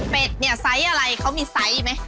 เป็ดเนี่ยไซส์อะไรเขามีไซส์อีกไหม